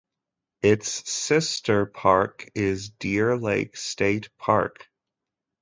Its sister park is Deer Lake State Park.